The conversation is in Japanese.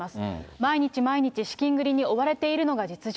毎日毎日資金繰りに追われているのが実情。